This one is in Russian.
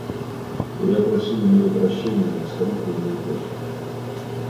Я просил у него прощения; но старик был неутешен.